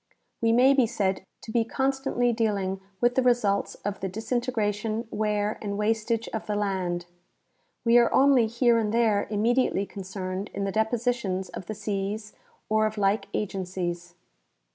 We may be said to be constantly deal ing with the results of the disintegration, wear and wastage of the land. We are only here and there immediately concerned in the depositions of the seas or of like agencies.